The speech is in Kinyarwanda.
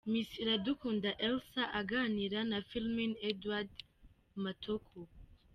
Miss Iradukunda Elsa aganira na Firmin Edouard Matoko.